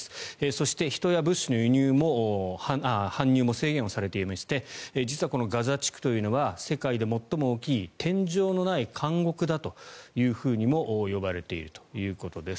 そして、人や物資の搬入も制限されていまして実はこのガザ地区というのは世界で最も大きい天井のない監獄だというふうにも呼ばれているということです。